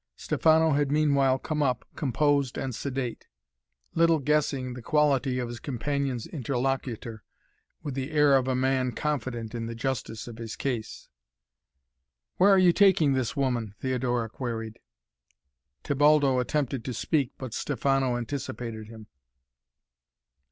Stefano had meanwhile come up, composed and sedate, little guessing the quality of his companion's interlocutor, with the air of a man confident in the justice of his case. "Where are you taking this woman?" Theodora queried. Tebaldo attempted to speak, but Stefano anticipated him.